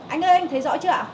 anh ơi anh thấy rõ chưa ạ